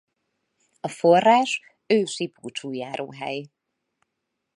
A forrás ősi búcsújáróhely.